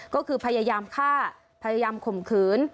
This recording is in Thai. ก็คือพยายามฆ่าพยายามข่มขืน